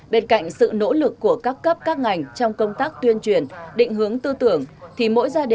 bên cạnh sự nỗ lực của các cấp các ngành trong công tác tuyên truyền định hướng tư tưởng